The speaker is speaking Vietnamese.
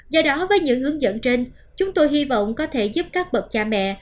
do đó với những hướng dẫn trên chúng tôi hy vọng có thể giúp các bậc cha mẹ